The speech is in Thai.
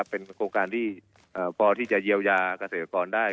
เป็นโครงการที่พอที่จะเยียวยาเกษตรกรได้